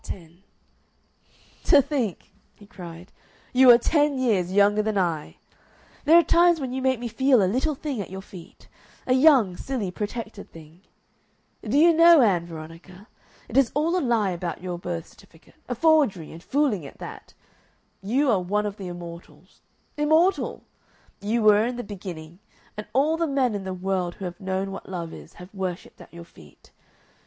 Part 10 "To think," he cried, "you are ten years younger than I!... There are times when you make me feel a little thing at your feet a young, silly, protected thing. Do you know, Ann Veronica, it is all a lie about your birth certificate; a forgery and fooling at that. You are one of the Immortals. Immortal! You were in the beginning, and all the men in the world who have known what love is have worshipped at your feet.